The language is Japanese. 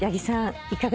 いかがですか？